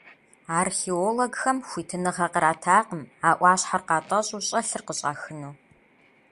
Археологхэм хуитыныгъэ къратакъым а Ӏуащхьэр къатӀэщӀу, щӀэлъыр къыщӀахыну.